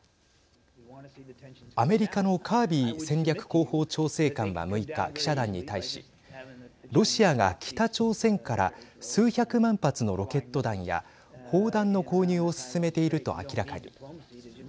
アメリカのカービー戦略広報調整官は６日記者団に対しロシアが北朝鮮から数百万発のロケット弾や砲弾の購入を進めていると明らかに。